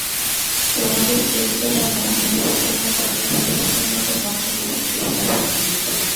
প্রমোদের স্মৃতিটা যেন অতিভোজনের পরের উচ্ছিষ্টের মতো মনটাকে বিতৃষ্ণায় ভরে দিয়েছে।